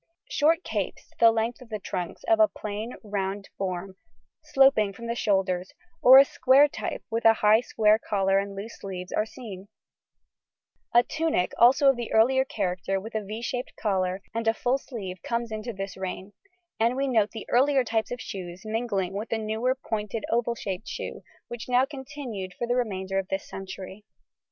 Short capes to the length of the trunks of a plain round form sloping from the shoulders, or a square type with a high square collar and loose sleeves, are seen; a tunic also of the earlier character with a =V= shaped collar and full sleeve comes into this reign, and we note the earlier types of shoes mingling with the newer pointed oval shaped shoe which now continued for the remainder of this century.